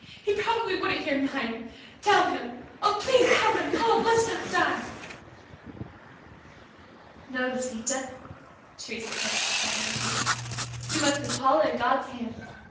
He probably wouldn't hear mine. Tell Him! Oh, please tell Him, Paula must not die!" "No, Lisita," Teresa said as she dried my tears; "We must leave Paula in God's hands.